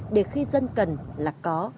để khi dân cần là có